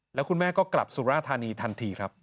แล้วคุณแม่ก็กลับสุราธานีทันทีครับ